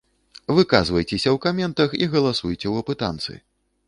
Выказвайцеся ў каментах і галасуйце ў апытанцы.